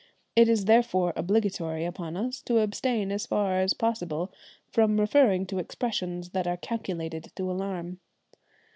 It is therefore obligatory upon us to abstain as far as possible from referring to expressions that are calculated to alarm.